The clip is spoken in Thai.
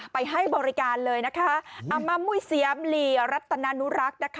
ไปให้บริการเลยนะคะอามามุยเซียมหลีรัตนานุรักษ์นะคะ